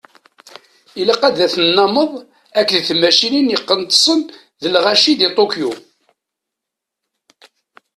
Ilaq ad tennameḍ akked d tmacinin iqqneṭsen d lɣaci di Tokyo.